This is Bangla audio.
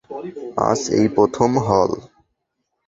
আজ এই প্রথম হল।